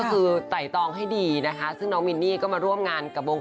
ก็คือไต่ตองให้ดีนะคะซึ่งน้องมินนี่ก็มาร่วมงานกับวง